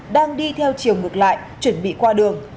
đang đi theo chiều ngược lại chuẩn bị qua đường